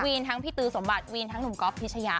ทั้งพี่ตือสมบัติวีนทั้งหนุ่มก๊อฟพิชยะ